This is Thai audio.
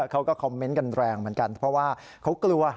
เขาก็คอมเมนต์กันแรงเหมือนกันเพราะว่าเขากลัว